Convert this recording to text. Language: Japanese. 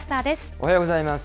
おはようございます。